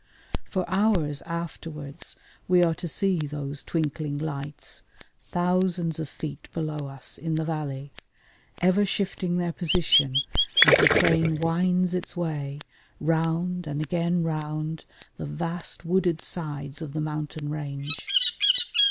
For hours afterwards we are to see those twinkling lights, thousands of feet below us in the valley, ever shifting their position as the train winds its way round and again round the vast wooded sides of the mountain range.